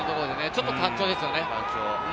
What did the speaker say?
ちょっと単調ですよね。